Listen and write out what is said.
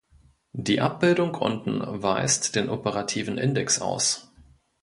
Die Abbildung unten weist den Operativen Index aus.